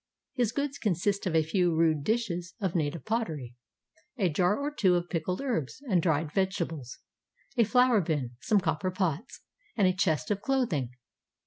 His goods consist of a few rude dishes of native pottery, a jar or two of pickled herbs and dried vege tables, a flour bin, some copper pots, and a chest of clothing.